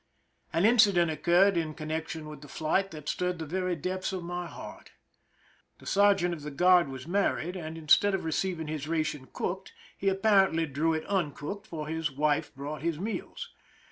An incident occurred in connection with the flight that stirred the very depths of my heart. The ser geant of the guard was married, and instead of receiving his ration cooked he apparently drew it uncooked, for his wife brought his meals.